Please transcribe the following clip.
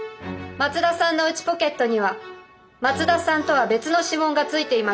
松田さんの内ポケットには松田さんとは別の指紋がついていました。